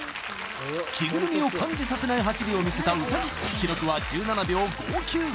着ぐるみを感じさせない走りをみせたウサギ記録は１７秒５９